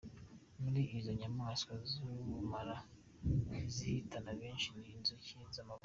Muri izo nyamaswa z’ubumara izihitana benshi ni inzuki n’amavubi.